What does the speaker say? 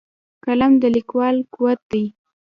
قلم د لیکوال قوت دی